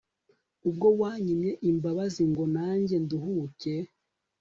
ubwo wanyimye imbabazi ngo nanjye nduhuke